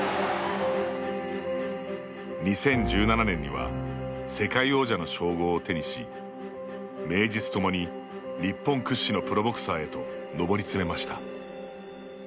２０１７年には世界王者の称号を手にし名実ともに日本屈指のプロボクサーへと上り詰めました。